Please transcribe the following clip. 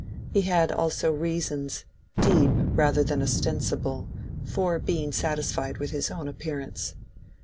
He had also reasons, deep rather than ostensible, for being satisfied with his own appearance.